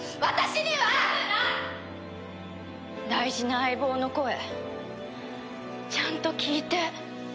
大事な相棒の声ちゃんと聞いて。